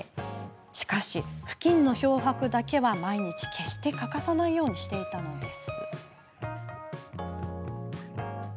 しかし、ふきんの漂白だけは毎日、決して欠かさないようにしていたのです。